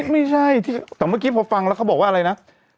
ไม่ใช่แต่เมื่อกี้พอฟังแล้วเขาบอกว่าอะไรนะ